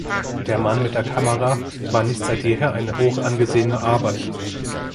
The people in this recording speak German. „Der Mann mit der Kamera“ war nicht seit jeher eine hoch angesehene Arbeit.